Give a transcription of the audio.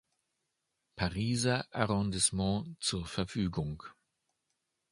Pariser Arrondissement zur Verfügung.